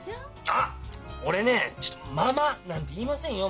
あっ俺ねちょっとママなんて言いませんよ